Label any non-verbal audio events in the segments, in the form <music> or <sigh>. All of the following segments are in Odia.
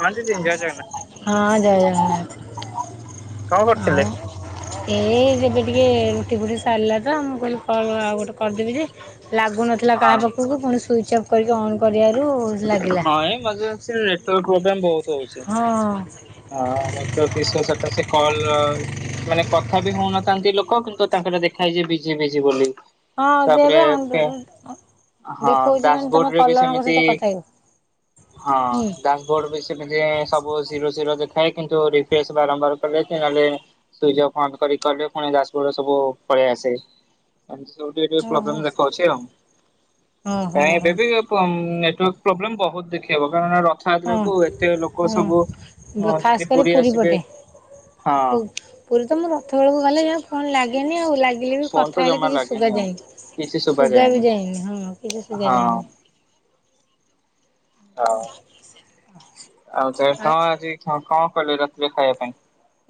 ହଁ ଦିଦି ଜୟ ଜଗନ୍ନାଥ ହଁ ଜୟ କଣ ଜଗନ୍ନାଥ। କରୁଥିଲେ? ଆଉ ଏଇ ଏବେ ଟିକେ ରୁଟି ଫୁଟି ସାରିଲା ତ, ମୁଁ କହିଲି କଣ ଆଉ ଗୋଟେ କରିଦେବି ଯେ? ଲାଗୁନଥିଲା ହଁ କାହା ପାଖକୁ ପୁଣି ସୁଇଚ୍ ଅଫ୍ କରିକି ଅନ୍ କରିବାରୁ ଲାଗିଲା। ମଝିରେ ସେ ନେଟୱାର୍କ ପ୍ରୋବ୍ଲେମ୍ ବହୁତ। ହଉଛି। ହଁ। ହଁ ନେଟୱାର୍କ ଇସ୍ୟୁ ସେଟା ସେ କଲ ମାନେ କଥା ବି ହଉନଥାନ୍ତି ଲୋକ, କିନ୍ତୁ ତାଙ୍କର ଦେଖା ହେଇଛି ବିଜି ବିଜି ବୋଲି। ହଁ ଯେ ତାପରେ ଏବେ <unintelligible> ହଁ ଦେଖଉଚି ମାନେ ଡାସବୋର୍ଡ ତମେ ରେ ବି କଲରଙ୍କ ସେମିତି ସହିତ କଥା ହେଇନ। ହଁ ଡ୍ୟାଶବୋର୍ଡ ବି ସେମିତି ସବୁ ଜିରୋ ଜି ଜିରୋ ଦେଖାଏ କିନ୍ତୁ ରିଫ୍ରେଶ୍ ବାରମ୍ବାର କଲେ କି ନହେଲେ ସୁଇଚ୍ ଅଫ୍ ଅନ୍ କରି କଲେ ଫୁଣି ଡ୍ୟାଶବୋର୍ଡରେ ସବୁ ପଳେଇ ଆସେ। ଆଜି ସିଏ ସବୁ ଟିକେ ଟିକେ ଓହୋ ପ୍ରୋବ୍ଲେମ୍ ଦେଖଉଛି ଆଉ। ହଁ ହଁ କାଇଁ ଏବେ ବି ନେ ନେଟୱାର୍କ ପ୍ରୋବ୍ଲେମ୍ ବହୁତ ଦେଖେଇବ। କାରଣ ର ହଁ ହୁଁ। ହଁ ଗ ଦିଦି ଖାସ୍ କରି ପୁରୀ ଆସିବେ ପଟେ। ହଁ ପୁ ପୁରୀ ତ ମୁଁ ରଥ ବେଳେ ପୁ ଗଲେ ଜମା ଫୋନ୍ ଲାଗେନି ଆଉ ଲାଗିଲେ ବି ଫୋନ ତ କଥା ହେଲେ ଜମା କିଛି ଲାଗେନି ଶୁଗା ଆଉ। କିଛି ଯାଏନି। ଶୁଭା ଶୁଗା ବି ଯାଏନି ହଁ କିଛି ଶୁଗା ହଁ ଯାଏନି। ହଉ। ଆଉ ଚେ କଁ ଆଜି କଁ କଁ କଲୁ ରାତିରେ ଖାଇବା ପାଇଁ?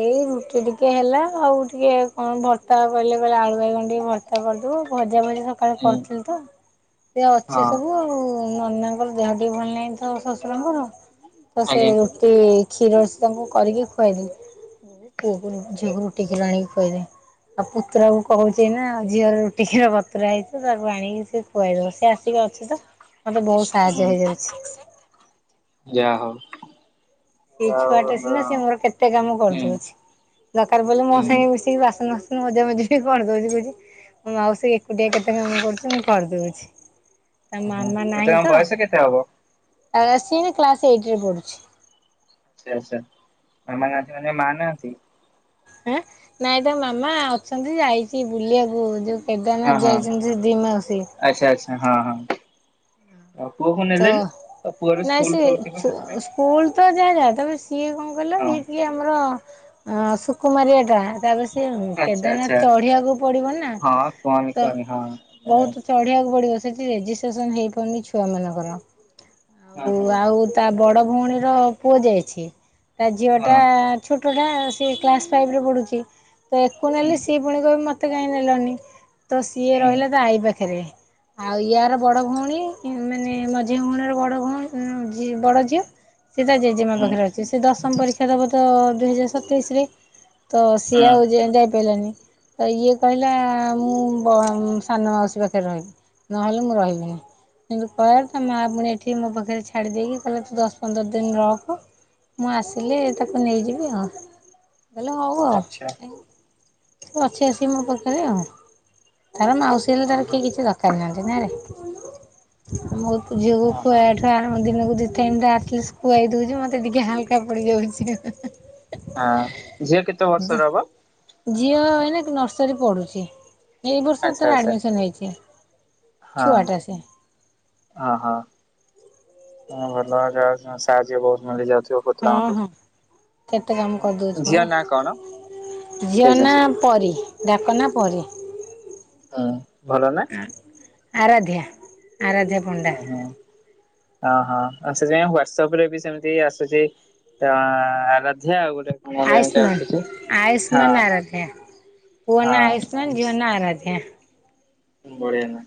ଏଇ ରୁଟି ଟିକେ ହେଲା ଆଉ ଟିକେ କଣ ଭର୍ତା କହିଲେ କହିଲେ ଆଳୁ ବାଇଗଣ ଟିକେ ଭର୍ତା କରିଦବୁ ଭ ଜା ଭଜି ସକାଳୁ ହୁଁ କରିଥିଲି ତ, ସିଏ ଅଛି ହଁ ସବୁ ଆଉ ନନାଙ୍କର ଦେହ ଟିକେ ଭଲ ନାହିଁ ତ ଶ୍ଵଶୁରଙ୍କର, ତ ସେ ଆଜ୍ଞା ରୁଟି କ୍ଷୀର ସବୁ କରିକି ଖୁଆଇଦେଲି। ପୁଅ କୁ ଝିଅ କୁ ରୁଟି କ୍ଷୀର ଆଣିକି ଖୁଆଇ ଦେଁ। ଆଉ ପୁତୁରାକୁ କହୁଚ଼ି ନା ଝିଅ ର ରୁଟି କ୍ଷୀର ବତୁରା ହେଇଛି ତାକୁ ଆଣିକି ସେ ଖୁଆଇଦବ। ସେ ଆସିଗ ଅଛି ତ ମତେ ବହୁତ ସାହାଯ୍ୟ ହେଇଯାଉଛି। ଯା ହଉ। ସିଏ ଆଉ ଛୁଆଟେ ସିନା ସିଏ ମୋର ହୁଁ କେତେ କାମ କରିଦୋଉଛି ଦରକାର ପଇଲେ ମୋ ସାଙ୍ଗେ ହୁଁ। ମିଶିକି ବାସନ ଫାସ୍ ମଜାମଜି ବି କରିଦୋଉଚି କୋହୁଚି ମୋ ମାଉସୀ ଏକୁଟିଆ କେତେ କାମ କରୁଚି ମୁଁ କରିଦୋଉଚି। ତା ମାମା ତତେ ନାହିଁ ଆମ ତ ବୟସ କେତେ ହବ? ଆ ସିଏ କ୍ଲାସ ଏଇଟରେ ପଢୁଛି। ଆଚ୍ଛା ଆଚ୍ଛା ମାମା ନାହାନ୍ତି ମାନେ ମା ନାଆନ୍ତି? ଆଁ ନାଇଁ ତା ମାମା ଅଛନ୍ତି ଯାଇଚି ବୁଲିବାକୁ ଯୋଉ ହଁ କେଦାରନାଥ ହଁ ଯାଇଚନ୍ତି ଦି ମାଉସୀ। ଆଚ୍ଛା ଆଚ୍ଛା ହଁ ହଁ। ଆଉ ପୁଅକୁ ତ ନେଲେନି ଆଉ ପୁଅର ନାଇ ସ୍କୁଲ ସିଏ ଖୋଲୁଥିବ ସେଥିପାଇଁ ଛୁ-ସ୍କୁଲ ତ ଯାହା ଯା ତାପରେ ସିଏ କଣ କହିଲ ହଁ ଇଏ ଟିଏ ଆମର ଅଁ ସୁକୁମାରିଆ ଟା ତାପରେ ସେ ଉଁ ଆଚ୍ଛା ଆଚ୍ଛା କେଦାରନାଥ ଚଢିବାକୁ ପଡିବ ନା ହଁ କହନି ତ କହନି ହଁ ହଁ ବୋହୁତ ଚଢିଆକୁ ପଡିବ ସ୍ ସେଠି ରେଜିଷ୍ଟେସନ୍ ହେଇପାରୁନି ଛୁଆମାନଙ୍କର। ଆଉ ହଁ ଆଉ ତା ବଡ ଭୋଉଣୀର ପୁଅ ଯାଇଛି। ତା ଝିଅଟା ହଁ ଛୋଟଟା ସିଏ କ୍ଲାସ ଫାଇଭରେ ପଢୁଛି। ତ ଆକୁ ହୁଁ ନେଲେ ସିଏ ପୁଣି କହିବ ମତେ କାହିଁ ନେଲନି ତ ସିଏ ହୁଁ ରହିଲା ତା ଆଈ ପାଖେରେ। ଆଉ ୟାର ବଡ ଭୋଉଣୀ ଇମେ ନେ ମଝିଆଁ ଭୋଉଣୀ ବଡ ଭଉ ଉଁ-ଝି-ବଡଝିଅ ସେ ତା ଜେଜେମା ହୁଁ ପାଖରେ ଅଛି ସେ ଦଶମ ପରୀକ୍ଷା ଦବ ତ ଦୁଇହଜାର ସତେଇଶିରେ। ତ ସିଏ ହଁ ଆଉ ଯେ-ଯାଇପାଇଲାନି। ତ ଇଏ କହିଲା ମୁଁ ବ-ସାନ ମାଉସୀ ପାଖରେ ରହିବି। ନହେଲେ ମୁଁ ରହିବିନି କିନ୍ତୁ ତ ତା ମାଆ ପୁଣି ଏଠି ମୋ ପାଖରେ ଛାଡି ଦେଇକି କହିଲା ତୁ ଦଶ ପନ୍ଦର ଦିନି ରଖ ମୁଁ ଆସିଲେ ତାକୁ ନେଇଯିବି ଆଉ। ମୁଁ କହିଲି ହୋଉ ଆଉ ଆଚ୍ଛା ସେ ଅଛି ଆସିକି ମୋ ପାଖରେ ଆଉ। ତାର ମାଉସୀ ହେଲେ ହଁ ତାର ହଁ କେହି କିଛି ଦରକାର ନାହାନ୍ତି ନାରେ ମୋ ଝିଅକୁ ହଁ ହଁ ଖୁଆବାଠୁ ଆରମ୍ଭ ଦିନକୁ ଦି ଟାଇମ୍ ତ ଆଟଲିଷ୍ଟ୍ ଖୁଆଇ ଦୋଉଚି ମତେ ଟିକେ ହାଲକା ପଡିଯାଉଚି। ହଁ ଝିଅ କେତେ ବର୍ଷର ହବ? ଝିଅ ଏଇନାକେ ନର୍ସରୀ ପଢ଼ୁଚି ଏଇ ବର୍ଷ ଆଚ୍ଛା ତାର ଆଚ୍ଛା ଆଡ଼ମିସନ ହେଇଚି। ଛୁଆଟା ସିଏ। ଅହ ହଁ ଭଲ ଆଉ ଯାହୋଉ ସେମାନ ସାହାଯ୍ୟ କରୁଚନ୍ତି ଯେହେତୁ ହଁ <unintelligible> ଓ ହଁ। କେତେ ଝିଅ ନାଁ କଣ? ଝିଅନା ତେଜସ୍ଵୀ ପରି ଡ଼ାକ ନା ପରି। ହୁଁ ଭଲ ନାଁ? ଆରାଧ୍ୟ୍ୟା ଆରାଧ୍ୟ୍ୟା ପଣ୍ଡା। ଅହଁ ଆଉ ସେଥିପାଇଁ ହ୍ଵାଟସପରେ ବି ସେମିତି ଆସୁଚି ତା ଆରାଧ୍ୟ୍ୟା ଆଉ ଗୋ ଆୟୁଷ୍ମାନ ଆୟୁଷ୍ମାନ ଆରାଧ୍ୟା। ହଁ ପୁଅ ନା ହଁ। ଆୟୁଷ୍ମାନ, ଝିଅ ନା ଆରାଧ୍ୟ୍ୟା। ବଢିଆ ନାଁ।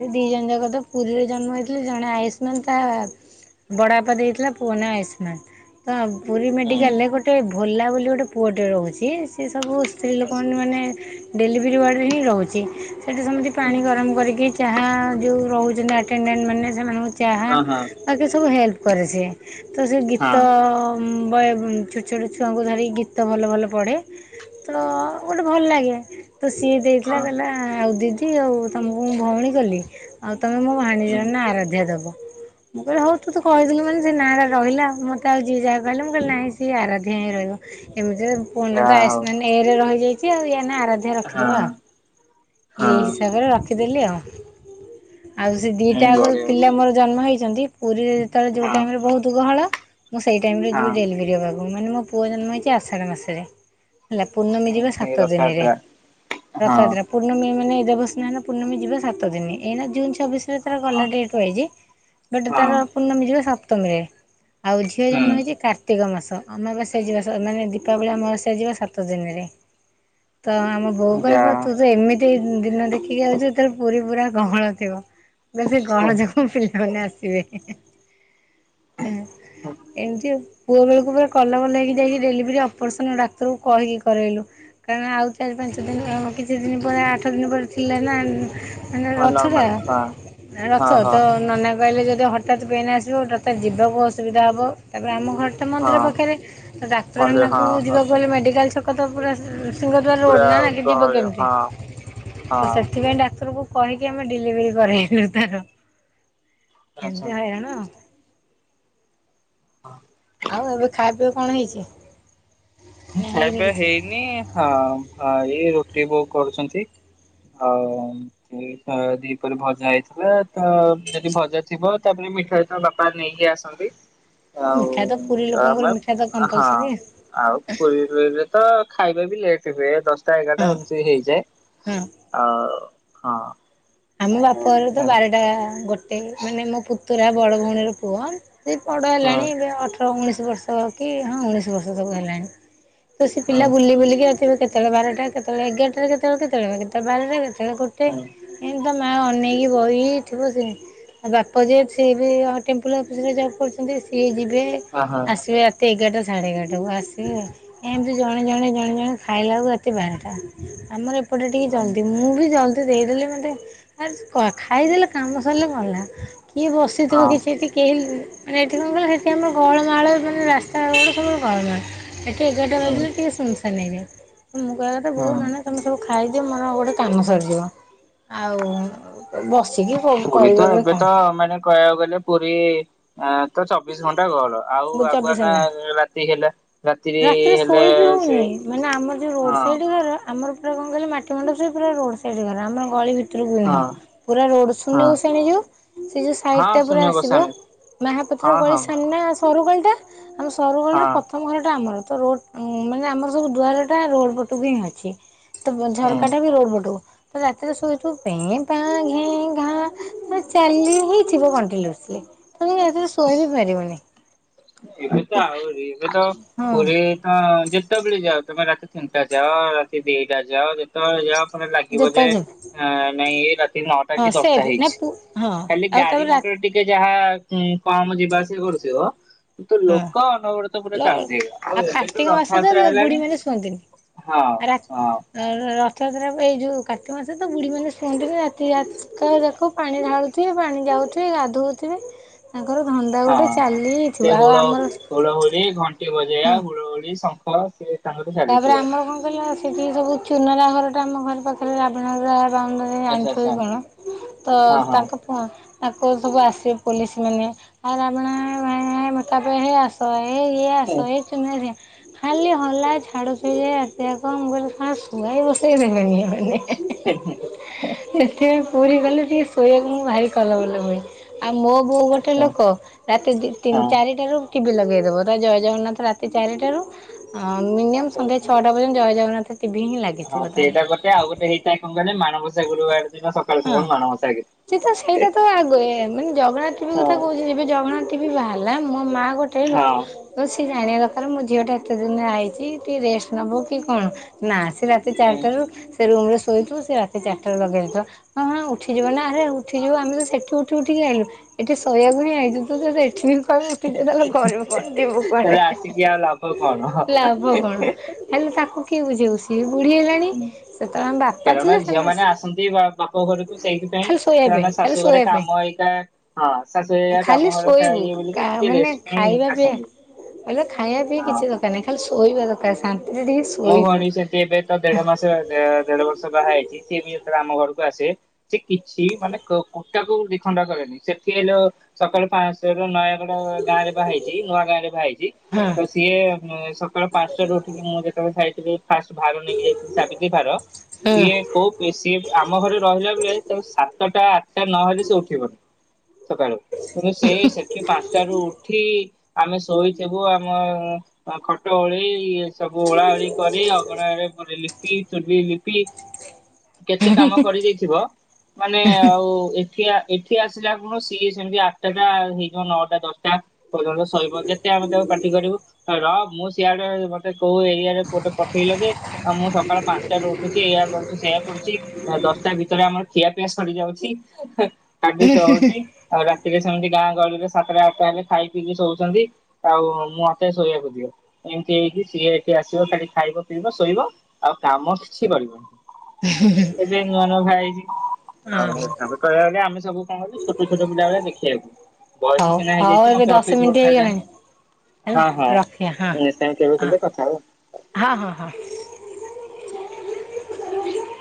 ସେ ଦିଜଣ ଯାକ ତ ପୁରୀରେ ଜନ୍ମ ହେଇଥିଲେ ଜଣେ ଆୟୁଷ୍ମାନ ତା ବଡବାପା ଦେଇଥିଲା ପୁଅ ନା ଆୟୁଷ୍ମାନ ତ ପୁରୀ ହୁଁ। ମେଡ଼ିକାଲରେ ଗୋଟେ ଭୋଲା ବୋଲି ଗୋଟେ ପୁଅଟେ ରହୁଚି ସିଏ ସବୁ ସ୍ତ୍ରୀ ଲୋକମାନେ ମାନେ ଡେଲିଭରି ୱାର୍ଡ଼ରେ ହିଁ ରହୁଚି ସେଠି ସେମିତି ପାଣି ହୁଁ ଗରମ କରିକି ଚାହା ଯୋଉ ରହୁଚନ୍ତି ଆଟେଣ୍ଡେଣ୍ଟମାନେ ସେମାନଙ୍କୁ ଚାହା ହଁ ହଁ ବାକି ସବୁ ହେଲପ୍ କରେ ସିଏ। ତ ସିଏ ଗୀତ ହଁ ଭଏ-ଛୋଟ ଛୋଟ ଛୁଆଙ୍କୁ ଧରିକି ଗୀତ ଭଲ ଭଲ ପଢ଼େ। ତ ଗୋଟେ ଭଲଲାଗେ। ତ ସିଏ ଦେଇଥିଲା ହଁ କହିଲା ଆଉ ଦିଦି ଆଉ ତମକୁ ମୁଁ ଭୋଉଣୀ କଲି ଆଉ ତମେ ମୋ ଭାଣୀଜୀର ନାଁ ହୁଁ ଆରାଧ୍ୟା ଦବ। ମୁଁ କହିଲି ହୋଉ ତୁ ତ କହିଦେଲୁ ମାନେ ସେ ନାଁଟା ରହିଲା ମତେ ଆଉ ଯିଏ ଯାହା କହିଲେ ମୁଁ କହିଲି ନାଇଁ ସିଏ ଆରାଧ୍ୟା ହିଁ ରହିବ। ଏମିତିରେ ପୁଅର ତ ଯାହା ହଉ। ଆୟୁଷ୍ମାନ ଏ ରେ ରହିଯାଇଚି ଆଉ ୟା ଆରାଧ୍ୟା ରଖିଦବା ହଁ ଆଉ ଇ ହଁ ହିସାବରେ ରଖିଦେଲି ଆଉ। ଆଉ ସେ ହୁଁ ଦିଟା ଯାକ ବଢିଆ ପିଲା ବଢିଆ ମୋର ଜନ୍ମ ହେଇଛନ୍ତି ପୁରୀରେ ଯେତେବେଳେ ଯୋଉ ହଁ ହଁ ଟାଇମରେ ବହୁତ ଗହଳ ମୁଁ ସେଇ ଟାଇମରେ ଯିବି ଡେଲିଭରି ହବାକୁ ମାନେ ମୋ ପୁଅ ଜନ୍ମ ହେଇଛି ଆଷାଢ଼ ମାସରେ। ହେଲା ପୂର୍ଣ୍ଣମୀ ଯିବା ସେ ସାତ ଦିନରେ ରଥଯାତ୍ରା ହଁ ରଥଯାତ୍ରା ପୂର୍ଣ୍ଣମୀ ଦେବସ୍ନାନ ପୂର୍ଣ୍ଣମୀ ଯିବା ସାତ ଦିନ ଏଇନା ଚବିଶରେ ତାର ଗଲା ହଁ ଡେଟ ପଲେଇଇଛି ବଟ ହଁ ତାର ପୂର୍ଣ୍ଣମୀ ଯିବ ସପ୍ତମୀରେ। ଆଉ ଝିଅ ଜନ୍ମ ହେଇଛି ହୁଁ କାର୍ତ୍ତିକ ମାସ ତ ଅମାବାସ୍ୟା ଯିବା ସାରିଲାଣି ଦୀପାବଳି ଅମାବାସ୍ୟା ଯିବା ସାତ ଦିନରେ ତ ଆମ ବୋଉ ଯା କହିବ ତୁ ତ ଏମିତି ଦିନ ଦେଖିକି ଆଉଛୁ ତ ପୁରୀ ପୁରା ଗହଳ ଥିବ। ଗହଳ ଯୋଗୁଁ ପିଲାମାନେ ଆସିବେ। ହ ଏମିତି ଆଉ। ପୁଅ ବେଳକୁ ପୁରା କଲବଲ ହେଇକି ଯାଇ ଡେଲିଭରି ଅପରେସନ୍ ଡାକ୍ତରକୁ କହିକି କରାଇଲୁ କାରଣ ଆଉ ଚାରି ପାଞ୍ଚ ଦିନ ଆଉ କିଛି ଦିନ ପରେ ଆଠ ଦିନ ପରେ ଥିଲେ ନା ମାନେ ହଁ ରଥ ଟା ନର୍ମାଲ ହଁ ରଥ ହଁ ହଁ ତ ନନା କହିଲେ ଯଦି ହଠାତ୍ ପେନ୍ ଆସିବ ତତେ ଯିବାକୁ ଅସୁବିଧା ହେବ ତାପରେ ଆମ ଘରଟା ମନ୍ଦିର ହଁ ପାଖରେ ତ ମନ୍ଦିର ଡାକ୍ତରଖାନାକୁ ହଁ ହଁ ଯିବାକୁ ହେଲେ ମେଡ଼ିକାଲ ଛକତ ପୁରା ସିଂହଦୁଆର ରୋଡ ପୁରା ନା ତା ଯିବ ଗହଳି କେମିତି ହଁ ହଁ ତ ସେଥିପାଇଁ ଡାକ୍ତର କୁ କହିକି ଆମେ ଡେଲିଭରି କରାଇଲୁ ତାର ଆଚ୍ଛା। ଏତେ ହଇରାଣ। ହଁ। ଆଉ ଏବେ ଖାଇବା ପିଇବା କଣ ହେଇଛି? ନା ଖାଇବା ପିବା କିଛି? ହେଇନି ହଁ ହ ଏଇ ରୁଟି ବଉ କରୁଛନ୍ତି। ହ ତ ଦି ପରେ ଭଜା ହେଇଥିଲା ତ ଯଦି ଭଜା ଥିବ ତାପରେ ମିଠା ତ ବାପା ନେଇକି ଆସନ୍ତି। ଆଉ ମିଠା ପୁରୀ ତ ଲୋକଙ୍କର ଆମେ ମିଠା ତ ହଁ କମ୍ପଲସରୀ ଆଉ ଡେଲି ତ ଖାଇବା ବି ଲେଟ ହୁଏ ଦଶଟା ଏଗାରଟା ହଁ ଏମିତି ହେଇଯାଏ ହଁ। ଆଉ ହଁ। ଆମ ଆଉ ବାପଘରେ ତ ହୁଁ ବାରଟା ଗୋଟେ ମାନେ ମୋ ପୁତୁରା ବଡ ଭଉଣୀର ପୁଅ ସେ ବଡ଼ ହୁଁ ହେଲାଣି ଏବେ ଅଠର ଉଣେଇଶ ବର୍ଷ କି ହଁ ଉଣେଇଶ ବର୍ଷ ସବୁ ହେଲାଣି। ତ ସେ ହୁଁ ପିଲା ବୁଲି ବୁଲିକି ଆସିବ କେତବେଳେ ବାରଟା କେତେବେଳେ ଏଗାରଟାରେ କେତେବେଳେ କେତେବେଳେ କେତେବେଳେ ବର ଟା କେତେବେଳେ ଗୋଟେ ହଁ ଏମିତି ତା ମା ଅନେଇକି ବଇଥିବ ଆଉ ବାପା ଯଏ ସିଏ ବି ଟେମ୍ପଲ ଅଫିସ ରେ ଯାଉ କରୁଛନ୍ତି ସିଏ ଯ ସେ ହଁ ଆସିବେ ରାତି ଏଗାରଟା ସାଢ଼େ ଏଗାରଟାକୁ ଆସିବେ ଏମିତି ଜଣେ ଜଣେ ଜଣେ ଜଣେ ଖାଇଲା ବେଳକୁ ରାତି ବାରଟା ଆମ ଏପଟେ ଟିକେ ହଁ ଜଲ୍ଦି ମୁଁ ବି ଜଲଦି ଦେଇଦେଲେ ମୋତେ ଆ କ ଖାଇଦେଲେ କାମ ସରିଲେ କଣ ହେଲା କିଏ ବସିଥିବ ହଁ କିସେଠି କେହି ମାନେ ଏଠି କଣ କହିଲେ ସେଠି ଆମର ଗହଳମାହଳ ମାନେ ରାସ୍ତା ସବୁ ଗହଳମାହଳ ଏଠି ଏଗାରଟା ହୁଁ ବାଜିଲେ ଟିକେ ସୁନସାନ ଏରିଆ ମୁଁ କହିବା କଥା ବହୁ ହୁଁ ତମେ ସବୁ ଖ ଖାଇଦିଅ ମୋର ଗୋଟେ କାମ ସରିଯିବ। ଆଉ ବସିକି ପୁରୀ ତ କରିବା ପାଇଁ ଏବେ ତ କଣ ମାନେ କହିବାକୁ ଗଲେ ପୁରୀ ତ ଚବିଶ ଘଣ୍ଟା ଗହଳ ଆଉ ଆଗୁଆ ଚବିଶ ନା ଘଣ୍ଟା ରାତି ହେଲା ରାତିରେ ହେଲେ ଶୋଇ ବିି ସେ ହଉନି ମାନେ ଆମର ଯୋଉ ରୋଡ ହଁ ସାଇଡ ଘର ଆମର ପୁରା କଣ କିଲେ ମାଟି ମଣ୍ଡ ସ ପୁରା ରୋଡ ସାଇଡ ଆମ ଗଳି ଭିତ ଭିତରକୁ ହଁ ନୁହଁ ପୁରା ରୋଡ ହଁ ସୁନୁଷଣି ଯଉ ହଁ ସାଇଟଟ ପୁରା ସୁନୀୟ ଆସିବ ଗୋସ୍ୱାମୀ ମହାପାତ୍ର ହଁ ଗଳି ହଁ ସାମ୍ନା ସରୁଗଳି ଟା ଆମ ସରୁଗଳିର ହଁ ପ୍ରଥମ ଘର ଆମର ତ ରୋ ମାନେ ଆମର ସବୁ ଦୁଆର ଟା ରୋଡ ପଟକୁ ହିଁ ଅଛି। ତ ହୁଁ ଝରକାଟା ବି ରୋଡ ପଟୁ ତ ରାତିରେ ଶୋଇଥିବୁ ପେଁ ପାଁ ଘେଁ ଘାଁ ଚାଲିହିଥିବ କଣ୍ଟିନିଓସଲି। ତେ ଏଥିରେ ଶୋଇ ବି ପାରିବନି। ଏବେ ତ ଆହୁରି ଏବେ ତ ହଁ। ପୁରୀ ତ ହଁ ଯେତେବେଳେ ଯାଅ ତମେ ରାତି ତିନିଟା ଯାଅ ରାତି ଦିଟା ଯାଅ ଯାଅ ଯେତେବେଳେ ଯା ଲାଗିବ ଯେ ଯେତେବେଳେ ଯିବେ ନାଇଁ ଏ ରାତି ନଅଟା ହଁ କି ସେଭ୍ ଦଶଟା ନା ହେଇଛି। ପୁ ହଁ ଖାଲି ଆଉ ଗାଡି ତାପରେ ରା ମଟର ଟିକେ ଯାହା ଉ କମ ଯିବା ଆସିବା କରୁଥିବ ତୁ ହଁ ଲୋକ ଅନବରତ ପୁରା ଲ ଚାଲୁଥିବେ ଆଉ ଏବେଠୁ କାର୍ତ୍ତିକ ମାସ ତ ରଥଯାତ୍ରା ବୁଢୀ ହେଲାଣି ମାନେ ଶୁଅନ୍ତିନି ହଁ ହଁ। ରଥଯାତ୍ରାକୁ ଏଇ ଯୋଉ କାର୍ତ୍ତିକ ମାସରେତ ବୁଢୀ ମାନେ ଶୁଅନ୍ତିନି ରାତି ଯାକ ଯାକ ପାଣି ଢାଳୁଥିବେ ପାଣି ଆଣି ଯାଉଥିବେ ଗାଧଉଥିବେ ଧନ୍ଦା ହଁ ଗୋଟେ ଚାଲିଥିବ ସେ ଆଉ ହୁଳ ଆମର ହୂଳହୁଳି ଘଣ୍ଟି ବ ବେଳା ହୁଁ ହୁଳହୁୁଳି ଶଙ୍ଖ ସେ ତାଙ୍କର ତାପରେ ଚାଲିଥିବ। ଆମର କଣ କହିଲ ସେଠି ସବୁ ଚୁନରା ଘରଟା ଆମ ଘର ପାଖରେ ରାବଣ ଦ <unintelligible> ଆଚ୍ଛା ଆଣିଥିବ କି ଆଚ୍ଛା କଣ ତ ହଁ ହଁ ତାଙ୍କ ପୁ ତାଙ୍କ ଘରୁ ସବୁ ଆସିବେ ପୋଲିସ ମାନେ ଆ ଭାଇ ମାନେ ମୁତାପ ହେଇ ଆସ ଏ ଇଏ ହୁଁ, ଆସ ହେ ଚୁନରି ଖାଲି ହଲା ଛାଡ଼ୁଛି ଯେ ରାତିଯାକ ମୁ କହିଲି କଣ ଶୁଆଇ ବସେଇ ଦେବେନି ଏବେ। ହୁଁ ହଁ। ସେଥିପାଇଁ ପୁରୀ ଗଲେ ଟିକେ ଶୋଇବାକୁ ମୁଁ ଭାରି କଲବଲ ହୁଏ। ଆଉ ମୋ ବୋଉ ଗୋଟେ ଆଚ୍ଛା ଲୋକ ରାତି ଦି ତିନି ହଁ ଚାରିଟାରୁ ଟିଭି ଲଗେଇଦବ ତା ଜୟ ଜଗନ୍ନାଥ ରାତି ଚାରିଟାରୁ ଅ ମିନିମମ୍ ଆଚ୍ଛା ସନ୍ଧ୍ୟା ଆଚ୍ଛା। ଛଅଟା ପର୍ଯ୍ୟନ୍ତ ଜୟ ଜଗନ୍ନାଥ ଟିଭି ହିଁ ହଁ ଲାଗିଥିବ ତାର ସେଇଟା କଥା ଆଉ ଗୋଟେ ହେଇଥାଏ କଣ କହିଲେ ମାଣବସା ଗୁରୁବାର ଦିନ ସକାଳୁ ହଁ। ସକାଳୁ ମାଣବସା ଗୀତ। ସେ ତ ସେଇଟା ତ ଆଗେ ଏ ମାନେ ଜଗନ୍ନାଥ କଥା ବି ହଁ କଥା କହୁଛି ଏ ଜଗ ଆଁ ଟିଭି ବାହାରିଲା ମୋ ମା ଗୋଟେ ଲୋକ ହଁ ରୋଷେଇ ସା ଜାଣିବା ଦରକାର ମୋ ଝିଅଟା ଏତେ ଦିନରେ ଆଇଛି ଟିକେ ରେଷ୍ଟ ନବ କି କଣ ନା ସେ ସେ ରାତି ହୁଁ, ଚାରିଟାରୁ ସେ ରୁମ ରେ ଶୋଇଥିବ ସେ ରାତି ସେ ଚାରିଟା ଲଗେଇ ଦେଇଥିବ ଉଠିଯିବ ନା ଆରେ ଉଠିଯିବ। ଆମେ ତ ସେଠି ଉଠି ଉଠି କି ଆଇଲୁ ଏଠି ଶୋଇବାକୁ ହିଁ ଆଇଚୁ ତୁ ଯଦି ଏଠି ବି କହିବୁ ଉଠିଯା ତାହେଲେ କରିବୁ କଣ ଯିବୁ କୁଆଡେ? ତାହେଲେ ଆସିକି ଆଉ ଲାଭ କଣ? ଲାଭ କଣ ହେଲେ ତାକୁ କିଏ ବୁଝେଇବୁ ସିଏ ବୁଢି ହେଲାଣି ହୁଁ। ସେତେବେଳେ ଆମ ବାପା କାରଣ ଥିଲେ ଝିଅ ସେମାନେ ମାନେ ଆସନ୍ତି ବା ବାପ ଘରକୁ ସେଇଥିପାଇଁ ଖାଲି ଶୋଇବା କାରଣ ପାଇଁ ଖାଲି ଶାଶୁ ଘରେ ଶୋଇବା ପାଇଁ କାମ ହେଇଥାଏ ହଁ ଶାଶୁ ସେ ଏଇଆ ଖାଲି କାମ ଘରେ ଥାଏ ଶୋଇବୁ ଇଏ ବୋଲିକା ଟିକେ ରେଷ୍ଟ ପାଇଁ ଆସନ୍ତି। ଭଲ ଖାଇବା ପିଇବା ହଁ କିଛି ଦରକାର ନାହିଁ ଖାଲି ଶୋଇବା ଦରକାର ସାନ୍ତ୍ ମୋ ଭଉଣୀ ସେମତି ଏବେ ତ ଦେଢ ମାସ ଦେଢ ବର୍ଷ ବାହା ହେଇଛି ସିଏ ବି ଆମ ଘରକୁ ଆସେ ସେ କିଛି ମାନେ କୁଟାକୁ ବି ଦିଖଣ୍ଡ କରେନି ସେଠି ହେଲେ ସକାଳୁ ନାଶୁର ର ନୟାଗଡା ଗାଁ ରେ ବାହାହେଇଚି ନୂଆ ଗାଁରେ ବାହାହେଇଛି। ହଁ ତ ସିଏ ସକାଳ ପାଞ୍ଚଟାରୁ ଉଠିକି ମୁଁ ଯେତେବେଳେ ଯାଇଥିଲି ଫାଷ୍ଟ ଭାର ନେଇକି ଯାଇଥିଲି ସାବିତ୍ରୀ ଭାର ହୁଁ ସିଏ କୋଉ ପି ସିଏ ଆମ ଘରେ ରହିଲା ଭଳିଆ ତମେବ ସାତଟା ଟା ନହେଲେ ସେ ଉଠିବନି। ସକାଳୁ କିନ୍ତୁ ସେ ସେଠି ପାଞ୍ଚଟାରୁୁ ଉଠି ଆମେ ଶୋଇଥିବୁ ଆମ ଖଟ ଓଳି ଏ ସବୁ ବୁ ଓଳା ଓଳି କରି ଅଗନା ରେ ଲିପି ଚୁଲି ଲିପି କେତେ କାମ କରିଦେଇଥିବ ମାନେ ଆଉ ଏଠ ଏଠି ଏଠି ଆସିଲା ଆପଣ ସିଏ ସେମିତି ଆଠଟା ଟା ହେଇଯିବ ନଅଟା ଦଶଟା ପର୍ଯ୍ୟନ୍ତ ଶୋଇବ ଯେତେ ଆମେ ତାକୁ ପାଟି କରିବୁ ର ମୁଁ ସିଆଡେ ମତେ କୋଉ ଏରିଆରେ ଗୋଟେ ପଠେଇଲ ଯେ ମୁଁ ସକାଳ ପାଞ୍ଚଟାରୁ ଉଠୁଛି ଏୟା କରୁଛି ସେଇଉ କରୁଛି ଦଶ ଶ ଟା ଭିତରେ ଆମର ଖିଆ ପିଆ ସରି ଯାଉଛି ତା ହଉଛି ଆଉ ରାତିରେ ସେମିତି ଗାଁ ଗହଳିରେ ସାତଟରେ ଆଠ ହେଲେ ଖାଇ ପିଇକି ଶୋଉଛନ୍ତି ଆଉ ମୁଁ ମତେ ଶୋଇବାକୁ ଦିଅ ଏମିତି ହେଇକି ସିଏ ଏଠି ଆସିବ ଖାଲି ଖାଇବ ପିଇବ ଶୋଇବ ଆଉ କାମ କିଛି କରିବନି ଏବେ ନୁଆ ନୁଆ ବାହା ହେଇଛି। ଆଉ ହଁ ତାପରେ ଏ ଇତ ଆମେ ସବୁ କଣ କରୁ ଛୋଟ ଛୋଟ ପିଲା ବଆ ଦେଖିବାକୁ। ବୟସ ହଉ ସିନା ହଉ ହେଇଯାଇଛି ଏବେ ମତେ ଦଶ ଅଠେଇଶି ବର୍ଷ ମିନିଟ ହେଲାଣି ହେଇଗଲାଣି ହେଲା ହଁ ହଁ। ରଖିବା ନିଶ୍ଚୟ କେବେ ହଁ ହଁ କେବେ କଥା ହବା। ହଁ ହଁ ହଁ।